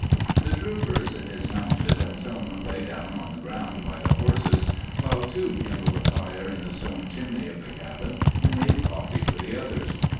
The troopers dismounted, and some lay down on the ground by the horses, while two kindled a fire in the stone chimney of the cabin and made coffee for the others.